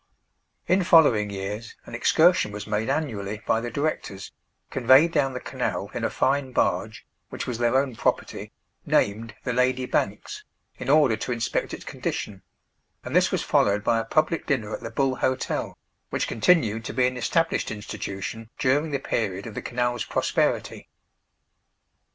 In following years an excursion was made annually by the Directors, conveyed down the canal, in a fine barge, which was their own property, named "The Lady Banks," in order to inspect its condition; and this was followed by a public dinner at the Bull Hotel, which continued to be an established institution during the period of the canal's prosperity.